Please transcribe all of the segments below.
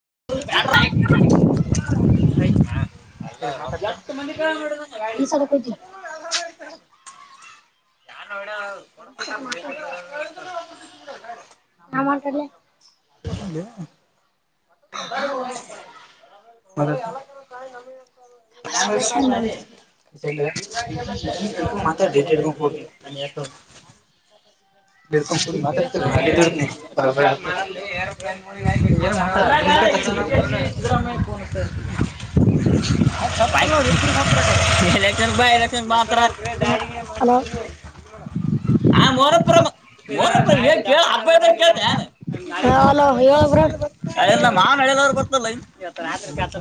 [unintelligible] ಯಾರ್ನ [unintelligible] [unintelligible] ನಾ ಮಾತಾಡ್ಲೆ [unintelligible] [unintelligible] [unintelligible] [unintelligible] [unintelligible] ಇವತ್ ರಾತ್ರಿ ಕತ್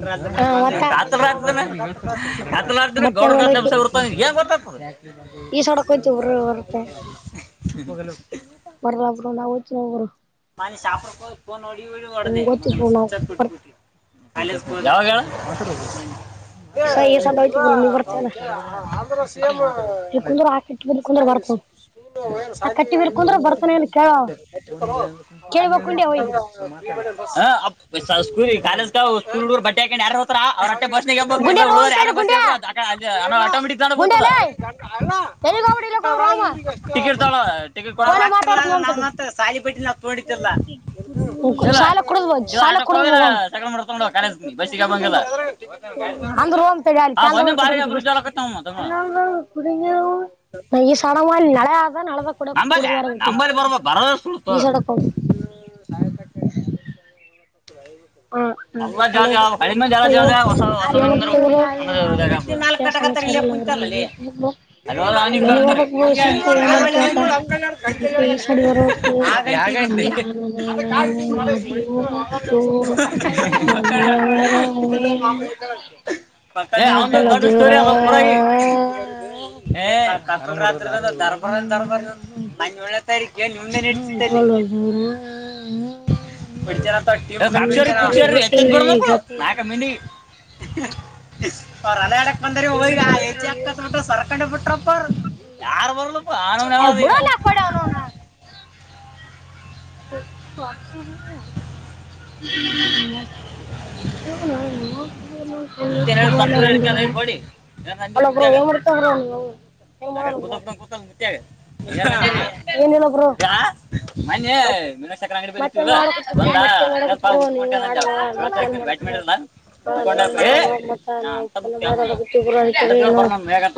ಕತಲ್ ರಾತ್ರಿ ದಿನ ಕತಲ್ ರಾತ್ರಿ ದಿನ ಗೌಡ್ರು ಗದ್ದಲ ಇಬ್ಸ್ ಇರ್ತವ ನಿಂಗೇನು ಗೊತ್ತಾರ್ತದ [unintelligible] ಬರಲ್ಲ ಬ್ರೋ ನಾವ್ ಹೋತೀವಿ ಬ್ರೋ ಮನ್ನೆ ಶಾಪರ್ ಕೋಗಿ ಫೋನ್ ಹೊಡಿ ಹೊಡಿ ಹೊಡ್ದ ಮಗನ ಸ್ವಿಚ್ ಆಫ್ ಇತ್ಬಿಟ್ಟಿ ಕಾಲೇಜ್ ಹೋಗ್ದಿ ಯಾವಾಗ್ ಹೇಳು [unintelligible] [unintelligible] ಯಾರ್ಯಾರು ಹೊತಾರ ಅವರ್ ಬಸ್ ನ್ಯಾಗ ಎಬ್ಬೇಕು ಇಲ್ಲ ಉಳ್ದೋರು ಯಾರ ಬಸ್ ಆಟೋಮಟಿಕ್ [unintelligible] ಎಲ್ಲಿಗ್ ಹೊಬ್ಯಾಡ ಇಲ್ಲೆ ಕುಂದ್ರು ಹೋಮ ತಾಳ ಟಿಕೆಟ್ ಕೊಡ್ತಾ ರೊಕ್ಕ ಇರ್ಲಾರಾ ನಮ್ಮಂತ ಸಾಲಿ ಬಟ್ಟಿ ಸಾಲ್ಯಗ ಕುಡುದ್ ಬಾ ಹೋಮ್ ಸಾಲ್ಯಗ ಕುಡುದ್ ಬಾ ಅಂದ್ರ ಹೋಮ್ ತಡಿ ಅಲ್ಲಿ ಕ್ಯಾನಲ್ ಹೋಗಿ ಕುಡ್ಯಕತಿ [unintelligible] ಸಾಯತಕ ದಗ್ದಕ ಹೋಗದು [unintelligible] [unintelligible] [unintelligible] ಮಧರ ಹ ದರ್ಬಾರಂದ ದರ್ಬಾರ ನಾನ ಏಳೇ ತಾರೀಕು ನಿಮ್ದೆ [inaudible] ಅವ ಅಲಯಡೆ ಅಂದ್ರೆ ಈಗ ಆ ಹೆಜೆ ಹಕ್ಕತ್ಟ್ರ ಸರ್ಕೊಂಡ ಬಿಟ್ರಪ್ಪರ್ ಯಾರು ಬರ್ಲಪ್ಪ ನಾನೂನ್ದು ಈಗ ವರ್ಷ [unintelligible] ತ್ಯ ಏನಿಲ್ಲಬ್ರು ಮತ್ತೆ ಮತ್ತೆ ಮಾಡ ಮತ್ತೆ ಮಾಡ ಇಬ್ರು ನೀವ್ ಆಡಲ್ಲ ಮತ್ತ ಏನ್ ಮಾಡತಾರೆ ಮಾಡ ಮತ್ತ ನ ಗೊತ್ತರು ಅ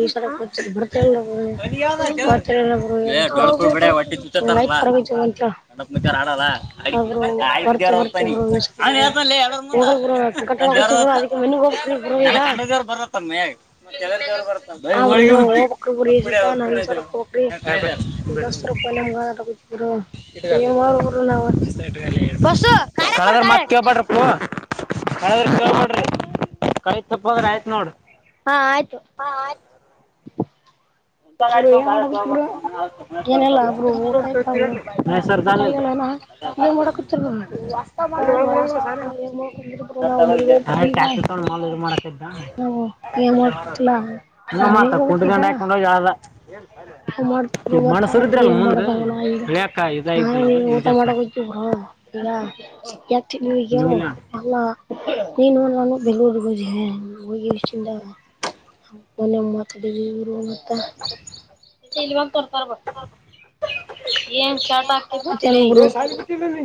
ಈ [unintelligible] ಅಂತ ಕಂಡಪ್ಪ ಮು ಆಡಲ್ಲ ಆಡಕಿ ಆ ಅಡಿಕಿ ಜೇವರದತ್ತಾನ ಅವನ್ ಹೇಳ್ತ ಎರ ಮುಂದ ನನ್ ಜೇವರದತ್ತ ನನ್ ಕಂಡ ದವರು ಬರತ್ತಮ್ಮವರು ಬರತ್ತ ಹೋಳ ಹುಗಿ [unintelligible] ಹ್ರ ಮತ್ತ ಹಬಡ್ರಪ್ಪೂ ದರ ಕಿಲೋ ಮಾಡಡ್ರಿ ಕೈ ತಪ್ಪದ್ರ ಆಯ್ತ್ ನೋಡ ವ [unintelligible] ತೊಂಡ ಕುಂಟ ಗಂಡ [inaudible] ಊ ಮಾಡ್ತವರು ಮತ್ತ ಏನ್ ಮಾಡದಾಗಣ ಈಗ ನಾವೇ ಊಟ ಮಾಡಕ್ ಹೋಗ್ತವರು ಈಗ ನ್ಗೆವು ಎಲ್ಲ ನೀನು ನಾನು ಬೆಂಳೂರ್ಗ ಹೋದ ಹೋಗಿ ಇಷ್ಟಿಂದ ಮನ ಮಾತಾಡ ತ ಮತ್ತೆ ಚೆಲ್ವಾಗ ತೊತ ರ್ಬ ಏನ್ ಶಾರ್ಟ್ ಆಗ್ತಿರು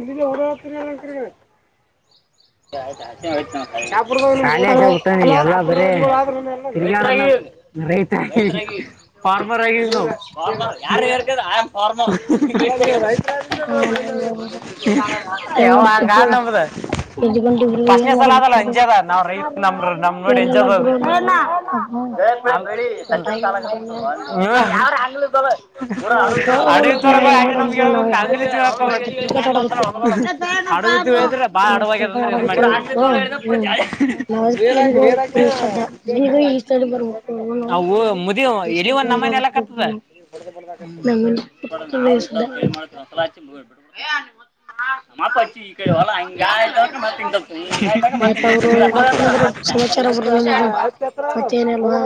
[unintelligible] ಆಯ್ತ ನೋಡು [unintelligible] ಎಲ್ಲ ಬರಾರ್ಮರ್ ಆಗ ಯಾವ ನಮದ ಒಂದುಬ್ರು ಏನ್ ಮಾಡ್ತಾ ನಾವ್ ರೈತ್ ನಮ ನಮ ನೋಡಿ ಜಾಯ್ [unintelligible] ಮುದ ಒ ನಮ್ಮನ ಎಲ್ಲತದಮ್ಮ--ಚ್ಚಿ ಈ ಕಡೆ ಹೊಲ್ಲ ಹಂಗ ಆಯ್ತ [unintelligible] ಹತ್ರ ಅ ಹತ್ರ ಆದು ರೋಗ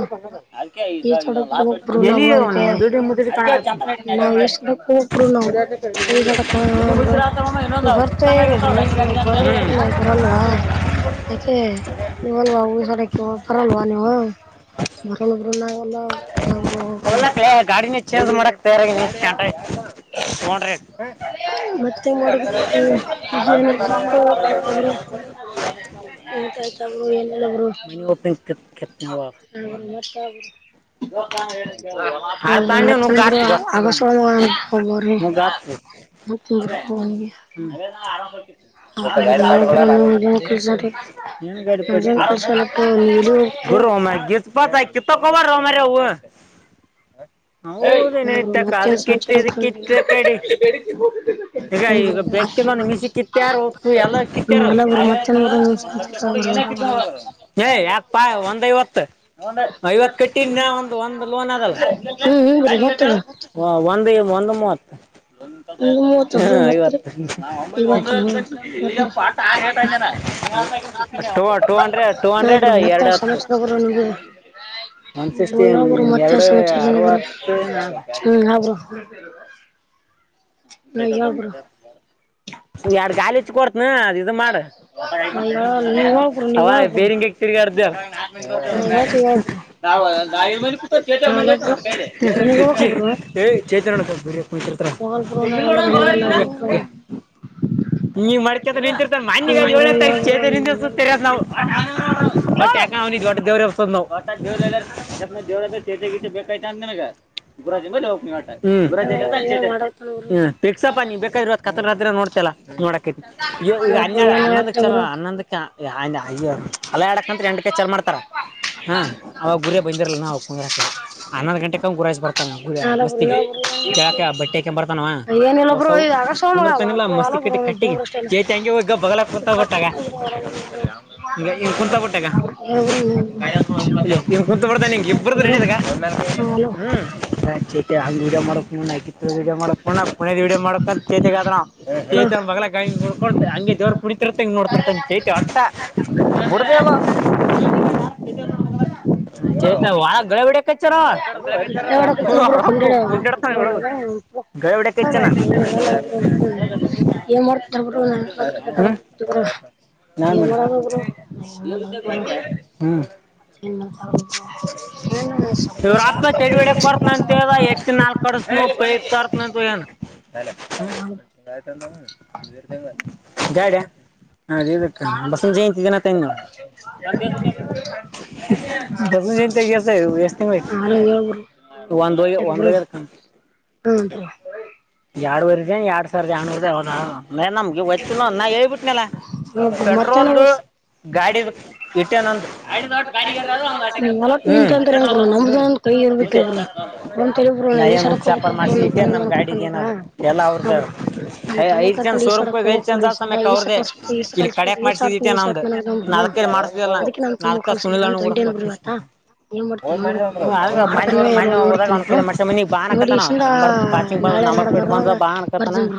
[unintelligible] ಬರಲ್ವಾ ಅ ನೀವಲ್ವಾ ಸ ಬರಲ್ವಾ ನೀವು ಬ ಒಲ್ಲ ಗಾಡಿ ದು ಮ ತಗೊಂಡ್ರಿ ಎಂತಯತಾವರು ಏ--ವರು ಆಗಬ [unintelligible] ಮ ಗ ತ್ತ ಮ [unintelligible] ಹ ಮತ್ತೇನ್ ಸಮಾಚಾರ ಏ ಯಾಕ ಪಾ ಒಂದ್ ಐವತ್ತು ಐವತ್ ಕ ನ ಒಂದ ಒಂದ್ ಲೋನ್ ಅದಲ್ಲ. ಒಂದು ಒಂದು ಮೂವತ್ತು. ಐವತ್ತು ಟೂ ಹಂಡೆಡ್ ಟೂ ಹಂಡ್ರೆಡ್ ಎರಡು ತ್ತು ಒ ಸಿ ಎರಡು ಅರವತ್ತು [inaudible] ಸೈಕಲ್ ತ ಎರಡು ಗಾಲಿ ಇಚ್ಚ ಕೊಡ್ತನ ಅದು ಇ ಮಾಡ ಅವ ಬೇರಿ ಹಿಂಗ ತಿರ್ಗಾಡ್ದ ಚೇ ಕುಂತಿ--ರ [inaudible] ನೀ ಮಡಕ ನಿಂತಿರ್ತ ಮನ್ಯಗ ಚೇತ ನ ಚೇ [unintelligible] ಹ್ಮ ಪ ಬೇಕಾ ನೋಡ್ತಲ್ಲ. [unintelligible] ಈಗ ಹನ್ನಯಡು ಹನ್ನೊಂದಕ್ಕೆ ಚಲೋ ಅನ್ನಂದಕ್ಕೆ. [unintelligible] ಅಲ್ಲಾಯ್ ಆಡಾಕ್ ಅಂತ ಎಂಟಕ ಚಾಲು ಮಾಡ್ತಾರ ಹ್ಹ್ ಅವಾಗ ಗುರಯ ಬಂದಿರಲ್ಲ ಅವ ಕ ಹನ್ನೊಂದು ಗಂಟೆಂಗ ಊರುಗಳಿಂದ ಬರ್ತಾ ಗು ಮಸ್ತಿಳಕ ಬಟ್ಟೆಕ ಬರ್ತಾನ ಹೊಸ ತುಂದ್ರ ತನಿಲ್ಲ ಮಸ್ತಿ. ಚಕ್ಕಟ್ಟ ಕಟ್ಟ ಚೇತಿ ಹಂಗಗೆ ಹೋಗಿ ಬಾಗಲಗ ಕುಂತೆ ಬಿಟ್ಟಾಗ ಕುಂತೆ ಬಿಟ್ಟಾಗ ಕುಂತ ಬಿತಂಗ ಇಬ್ರ್ದು ರೆಡಿದಾಗ ಹ್ಮ. ಚೇತ್ಯ ಅಂಗ ವೀಡಿಯೊ ಮಾಡಬೇಕು. [unintelligible] ಬಾಗಲಗ ನೋಡ್ಕೋತಾ ಅಂಗೆ ದೇವ್ರು ಕುಣಿತೀರ್ತನ ಇಂಗ ನೋಡ್ತಿರ್ತಾನ ಒಟ್ಟ ಬುಡೆದಿಲ್ಲ ಅವ ಚೇತ್ಯ ವಾದ ಗಳ್ಯ ಹುಡುಕ. [unintelligible] [unintelligible] ಏನ್ ಮಾಡ್ತಾರಬರು ನಡರು ಏನ್ ಮಾಡರುನ್ ಮಾಡರು ಮತ್ತ ಏನ್ ಮಾಡತೋ. ಡ್ ಬಿಡಕ್ ಬರ್ತನಂತ ಎ ನಾಲ್ಕ್ ಕಡಸು ಬೇಕು ಅಂತ್ಹೇಳಿ ತಾರಕ ಹೋಗ್ಯನ. ಗಾಡಿ ಅದು ಇದಕ ಬಸವಂತ ಜಯಂತಿ ದಿನ ತಂದಿನಿ ಬಸವ ಜಯಂತಿ ಆಗಿ ಎಷ್ಟ ತಿಂಗಳ ಆಯ್ತು. ಒಂದು ಒಂದು ಹೋಗ್ಯದ ಕಂತು. [unintelligible] ಎರಡೂವರಿದಿನ್ ಎರಡು ಸಾವಿರ ಎರಡು ನೂರು ಯವದ ಆದ. ಮ ನಮಗೆ ಒತ್ತ ನಾನ್ ಹೇಳ್ಬಿಟ್ಟನಲ್ಲ ಪೆಟ್ರೋಲ್ದು ಗಾಡಿದ ಇಟ್ಟೆ ನಂದೂ ಹ ನಾ ಏನ್ ಹ ಇಟ್ಟೆ ನನ್ ಏನ್ ಹುಚ್ಚು ಮಾಡ್ಸ ಇಟ್ಟೇನ್ ನಮ್ ಗಾಡಿಗೆ ಏನಾದ್ ಎಲ್ಲ ಅವ್ರದ ಆದ ಆಯಿಲ್ ಸದ ಈಸ ಕಲ್ಸ್ಬೇಕು ಈಸ ಕಲ್ಸ್ಬೇಕು ಈಸ ಆಡ್ತೀ ಈಸ ಆಡ್ತ ಆಗ ಅದಕ ನಾನ್ ತಮ್ಮ ಕಲ್ಸ್ಬೇಕು ಅಂತಂಟನ್ವತ್ತ ಏನ್ ಮಾಡಡ್ತನ ನೋಡ್ ಆಡ್ತನ್ ಇಲ್ಲ ನೋಡ್ತನ್ ನೋಡಿ ನಾಳೆ ನಡರ ಬರ್ತನ್ ಬ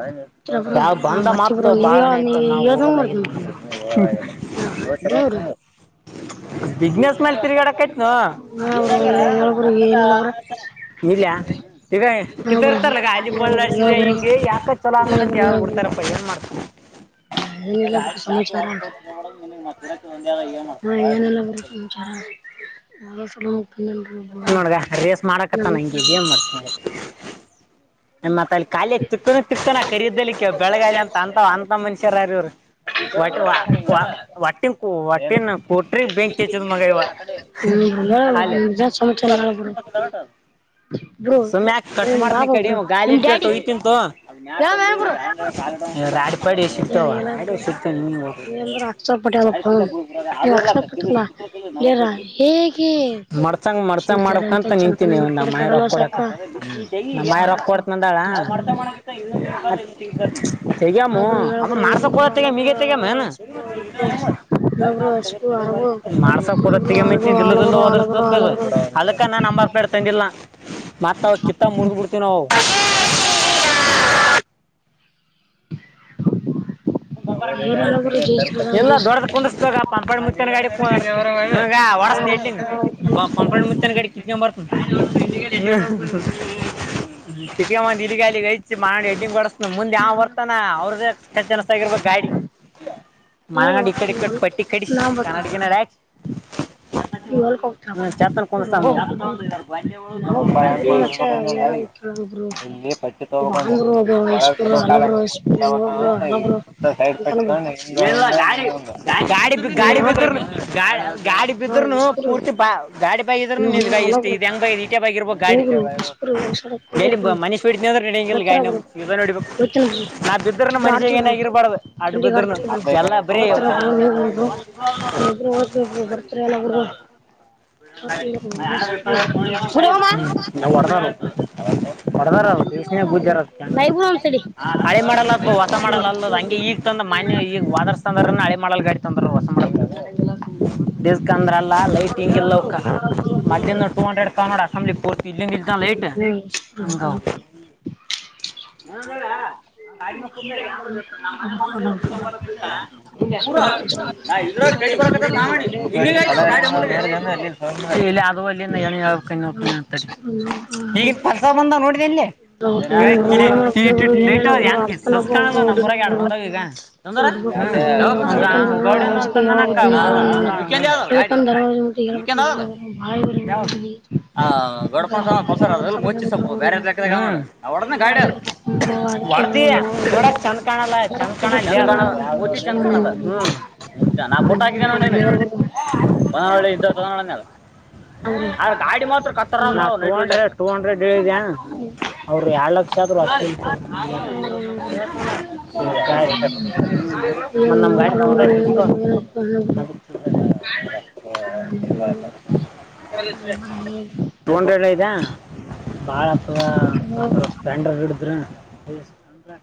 [unintelligible] ಹ ಬರ್ತೀವಿ ನೀವ ನೀವ್ ನಿವೇಳಂದಗ ಮಾಡ್ತಿ ನಾವ ಹ ಬ್ರೋ. ಬಿಸ್ನೆಸ್ ಮೇಲೆ ತಿರ್ಗಾಡಕೈತ್ನು ಇಲ್ಯಾ ಈಗ ಕಿದಾರ್ ತರ್ಲ್ಯ ಪಳದರ್ಸಿದೆ ಹಿಂಗ. ಅ ಚಲೋ ಅ ಯಾವ್ದು ಬಿಡ್ತಾರಪ್ಪ ಏನ್ ಮಾಡ್ತಿ. [unintelligible] [unintelligible] ಹಾ ಏನಲ್ಲ ಬ್ರೋ ಸಮಾಚಾರ. [unintelligible] ನೋಡ್ಗ ರೇಸ್ ಮಾಡಕತ್ತ ನಂಗೆ ಏನ್ ಮಾಡ್ತೀ [unintelligible] ಮಾತ್ ಕಾಲಿಕ್ ತಿಕ್ಕನ ತಿಕ್ತಾನ ಕರೀದಲಿಕ್ಕೆ ಬೆಳಗಾಲಿ ಅಂತ ಅಂತ ಅಂತ ಮನುಷ್ಯರಾರವರು ಟ್ಟಿ ಒಟ್ಟಿನ ಒಟ್ಟಿನ ಕುಟ್ರಿ ಬೆಂಕ್ ಹಚ್ಚದ್ ಮಗ ಇವ ಹ್ಮ ಸಮಾಚಾರ ಹೇಳಬರು ಇ ಬಾಬಾ ಕಡಿ ಗಾಲಿಟ್ಟಟ ಹೋಯ್ತತಿಂತು ರಾಡು ಬಡಿ ಸಿಗ್ತವ ರಾಡು ಸಿಕ್ತವ ಮಡಚಾಂಗ್ ಮಾಡಿಚಾಂಗ ಮಾಡ್ಬೇಕಂತ ನಿಂತೀನಿ ನಮ್ ಮನೆಯವರು ರೋಕ್ಕೊಡಕತ್ತರ ನಮ್ಮಾನೆಯವ ರೊಕ್ಕ ಕೊಡ್ತನಂದಾಳ ತೆಗಿಯಮು ಅದ್ಕು ಮಾಡ್ಸ ಕೊಗತ್ತಿ ಮಿಗ ತೆಗಯಮ ಏನು ಮಾಡ್ಸ ಕೊಡತಿ ಮುಂಚೆ ನಿಲ್ಲದಿಲ್ಲ ಹೋದ್ರುತಪ್ಪ ಇದು ಅದಕ್ಕ ನಾನ್ ನಂಬರ್ ಪ್ಲೇಟ್ ತಂಡಿಲ್ಲ ಮತ್ತ ಮುರುಡ್ಬುಡ್ತಿವ್ ನವ್ ಇಲ್ಲ ದೊಡ್ಡದ್ ಕುಂಡಿಸತಗ ಪಪ್ಪಾಯ್ ಮುುತ್ತನ್ ಗಾಡಿ ಕೊಡನ್ ಈಗ ವರ್ಸದ್ ಎಂಡಿಂಗ್ ಪಂಪಾಯಿ ಮುುತ್ತನ್ ಗಾಡಿ ಕಿತ್ಕೊ ಬರ್ತದೆ ಸಿಟಿಯಾವ ಡಿಡಿಗಾಡಿವೇಚ್ಚಿ ಮಾಡಿ ಹೆಡ್ಡಿಂಗ್ ಬಡಸ್ತನ ಮುಂದೆ ಯವ ಬರ್ತಾನ ಅವ್ರದೆ ಕೇಳ್ಸ್ತಾ ಇಲ್ಲ ಸಿಸ್ತಗಿರ್ಬೇಕು ಗಾಡಿ ಮಂಗಡಿ ಈಕಡಿ ಇಕಡಿ ಪಟ್ಟಿ ಕಡ್ಸಿ ಕನ್ನಡಿ ಗಿನ್ನಡಿ ಹಾಕಿ [inaudible] ಚತಾಲ್ ಕುಂಸ್ತನ ನೋಡು ಟೈರ್ ತಟ್ದಂಗೆ ಏನ್ಲ ಗಾಡಿ ಗಾಡಿ ಗಾಡಿ ಬಿದ್ದುರ್ ಗಾ ಗಾಡಿ ಭಿದ್ರನು ಪೂರ್ತಿ ಬಾ ಗಾಡಿ ಇದ್ರಗುನು ನಿಂಗ ಇಷ್ಟ ಇದು ಹೆಂಗ ಈಟೇಬ್ ಆಗಿರ್ಬೇಕು ಗಾಡಿ ಡೈಲಿ ಮನುಷ್ ಬಿಡತಿನ್ ಅಂದ್ರು ನಡಿಯಂಗಿಲ್ಲ ಗಾಡಿ ನಮ್ದು ವಿಜೇಲ್ ಹೊಡಿಬೇಕು ನಾ ಬಿದ್ರ ಮನುಷ್ಯಗ್ ಏನಾಗಿರ್ ಅಡ್ ಬಿದ್ರನು ಎಲ್ಲ ಬರಿ ನಾವ್ ಹೋಡ್ದಡು ಹೊಡದಾರ ದೇಶ್ನೇ ಬುದ್ದ್ಯಾರು ಹಳೆ ಮಾಡಲ್ಲಪ ಹೊಸ ಮಾಡಲ್ಲ ಅಲ್ಲ ಈಗ ತಂದ ಮಾನ್ನೆ ಈಗ ವಾದಾರ್ಸ್ ತಂದರನ ಹಳೆ ಮಾಡಲ್ ಗಾಡಿ ತಂದ್ರ ಹೊಸ ಮಾಡಲ್ ತಂದಿಲ್ಲ ಡಿಸ್ಕ್ ಅಂದ್ರಲ್ಲ ಲೈಟಿಂಗ್ ಇಲ್ಲ ಅವಕೆ ಮದ್ದಿ ನೋಡ್ ಟು ಹಂಡ್ರೆಡ್ ನೋಡ್ ಅಸೆಂಬ್ಲಿ ಪೂರ್ತಿ ಇಲ್ಲಿಂದ ಇದ್ದ ಲೈಟ್ ಹಂಗ ಗಾಡಿ ಮ್ಯಾಗ್ ಕೂತ ಯಂದಲಿರ್ತನ ಅದು ಅಲ್ಲಿಂದ ಏನೊ ಹೇಳ್ಬೇಕಂತ ನೋಡಿದಿಲೆ ಅಂತ ಈಗಿನ್ ಪಂಚ ಬಂದೆ ನೋಡಿದೆನ್ ಲೆ ಏನ್ ಬ್ರು ತಂದರ ಗೌಡಂದು ಅಂತ ಅಂದನಾ ಕ ಇಸ್ಕಂದ ಅದು ಗಾಡಿ ನಂಬಿಕೆ ಆದವಲ್ಲ ಯಾವ್ದ್ ಅ ಗೋಡ ಪಲ್ಸರ್ ಅದೆಲ್ಲ ಮುಚ್ಚಿ ಸೊಪ್ಪು ಬೆರ್ಯಾದ್ ಬೇಕರೇ ಅವ ಹೊಡ್ದನ ಗಾಡಿ ಅದು ಹೊಡ್ದಿಯಾ ನೋಡಕ್ ಚಂದ್ ಕಾಣಲ್ಲ ಚಂದ್ ಕಾಣಲ್ಲ ಪುರ್ತಿ ಚಂದ್ ಕಾಣಲ್ಲ ಹು ಪೋಟ ಹಾಕಿನಿ ನೋಡ್ ನಿನಗ ಗಾಡಿ ಮಾತ್ರ ಕತುರ್ನಾಕ್ ಟು ಹಂಡ್ರೆಡ್ ಹೇಳಿದ ಅವ್ರು ಯಾರ್ಡ್ ಲಕ್ಷ ಆದರು ಅಷ್ಟ [unintelligible] [inaudible] ಟು ಹಂಡ್ರೆಡ್ ಐತ ಬಾಳ ಅಥವಾ [unintelligible] ಸ್ಪ್ಲೆಂಡರ್ ಹಿಡುದ್ರೆ [inaudible]